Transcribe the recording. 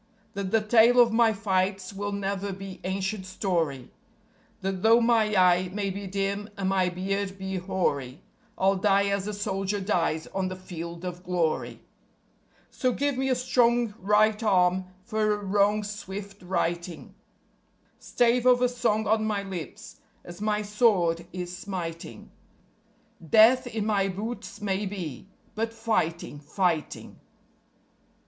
That the tale of my fights will never be ancient story; That though my eye may be dim and my beard be hoary, I'll die as a soldier dies on the Field of Glory. _So give me a strong right arm for a wrong's swift righting; Stave of a song on my lips as my sword is smiting; Death in my boots may be, but fighting, fighting.